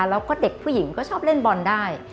แล้วก็เด็กผู้หญิงก็ชอบเล่นบอลได้